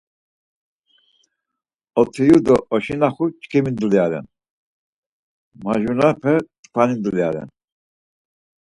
Otiru do oşinaxu çkimi dulya ren, majuranepe tkvani dulya ren.